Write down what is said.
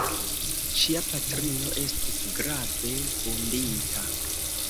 Ŝia patrino estis grave vundita.